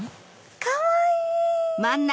かわいい！